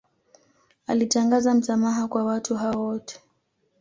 Alitangaza msamaha kwa watu hao wote